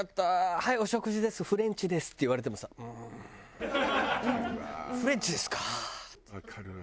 「はいお食事ですフレンチです」って言われてもさ「うーんフレンチですか」。わかるわ。